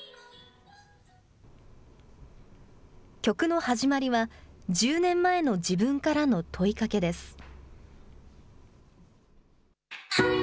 曲の始まりは、１０年前の自分からの問いかけです。